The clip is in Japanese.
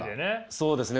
そうですね。